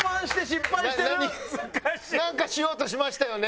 なんかしようとしましたよね？